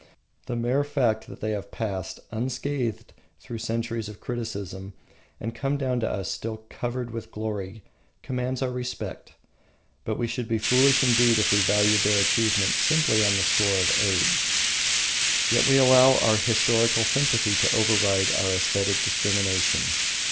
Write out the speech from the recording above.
The mere fact that they have passed unscathed through centuries of criticism and come down to us still covered with glory commands our respect. But we should be foolish indeed if we valued their achievement simply on the score of age. Yet we allow our historical sympathy to override our aesthetic discrimination.